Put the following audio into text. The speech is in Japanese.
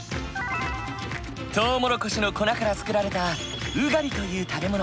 トウモロコシの粉から作られたウガリという食べ物。